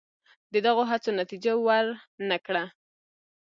دغو هڅو نتیجه ور نه کړه.